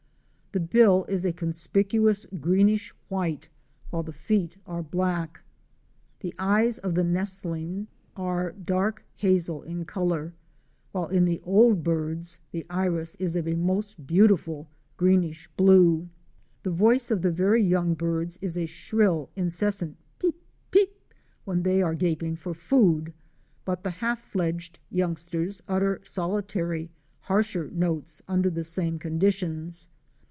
The bill is a conspicuous green ish white, while the feet are black. The eyes of the nestling are dark hazel in color, while in the old birds the iris is of a most beautiful greenish blue. The voice of the very young birds is a shrill incessant peep ! peep! when they are gaping for food, but the half fledged youngsters utter solitary harsher notes under the same conditions.